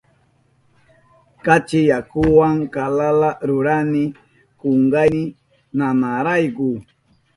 Kachi yakuwa kalalala rurani kunkayni nanayrayku.